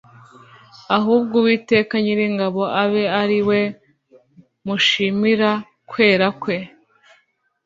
“Ahubwo Uwiteka Nyir’ingabo abe ari we mushimira kwera kwe;